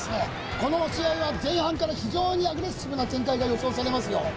この試合は前半から非常にアグレッシブな展開が予想されますよ